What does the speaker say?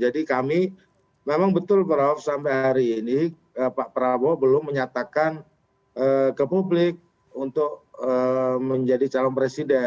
jadi kami memang betul prof sampai hari ini pak prabowo belum menyatakan ke publik untuk menjadi calon presiden